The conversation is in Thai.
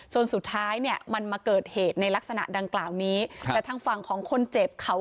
จนสุดท้ายมันมาเกิดเหตุในลักษณะดังนี้แต่ทางฝ่างของคนเจ็บเขา